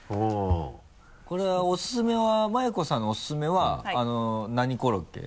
これは真祐子さんのオススメは何コロッケ？